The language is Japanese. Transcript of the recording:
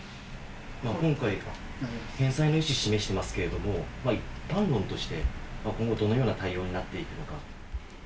今回、返済の意思を示していますけれども、一般論として、今後、どのような対応になっていくのか。